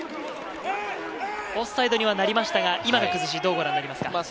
オフサイドにはなりましたが、今の崩しをどうご覧になりますか？